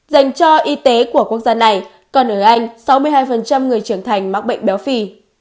dành cho y tế của quốc gia này còn ở anh sáu mươi hai người trưởng thành mắc bệnh béo phì